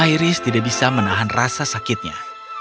iris tidak bisa menahan rasa sakitnya